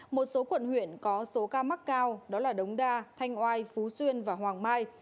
một số quận huyện có số ca mắc cao đó là đống đa thanh oai phú xuyên và hoàng mai